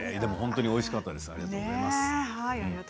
本当においしかったです。